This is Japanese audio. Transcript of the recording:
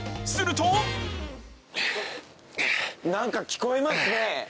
するとなんか聞こえますね。